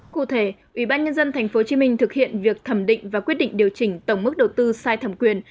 cụ thể ủy ban nhân dân tp hcm thực hiện việc thẩm định và quyết định điều chỉnh tổng mức đầu tư sai thẩm quyền